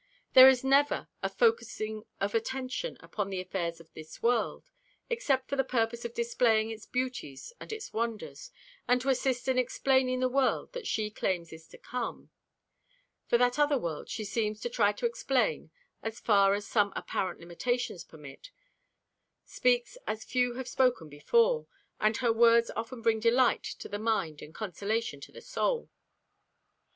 There is never a "focusing of attention upon the affairs of this world," except for the purpose of displaying its beauties and its wonders, and to assist in explaining the world that she claims is to come. For that other world she seems to try to explain as far as some apparent limitations permit, speaks as few have spoken before, and her words often bring delight to the mind and consolation to the soul.